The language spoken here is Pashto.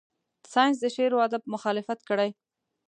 ساینس د شعر و ادب مخالفت کړی.